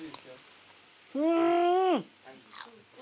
うん！